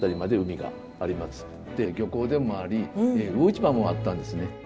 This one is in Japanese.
で漁港でもあり魚市場もあったんですね。